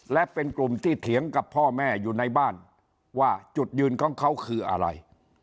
และเป็นกลุ่มที่เถียงกับพ่อแม่อยู่ในบ้านว่าจุดยืนของเขาคืออะไร